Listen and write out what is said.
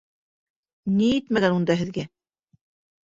- Ни етмәгән унда һеҙгә?